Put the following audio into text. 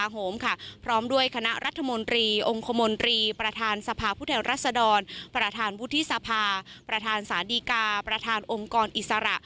แห่งรัฐสดรประธานบุธิสภาประธานสาธิกาประธานองค์กรอิสระ